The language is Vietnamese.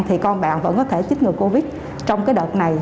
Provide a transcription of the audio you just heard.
thì con bạn vẫn có thể chích ngừa covid trong cái đợt này